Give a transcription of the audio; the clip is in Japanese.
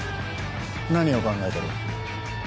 何を考えてる？